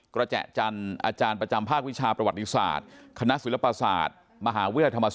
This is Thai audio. กระแจ่จันทร์อาจารย์ประจำภาควิชาประวัติศาสตร์